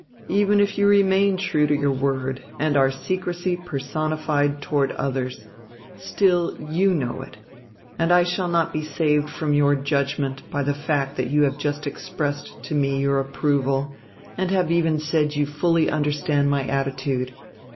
Even if you remain true to your word and are secrecy personified toward others, still you know it and I shall not be saved from your judgment by die fact that you have just expressed to me your ap proval and have even said you fully understood my atti tude.